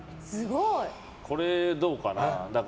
これどうかな。